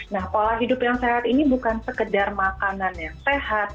nah pola hidup yang sehat ini bukan sekedar makanan yang sehat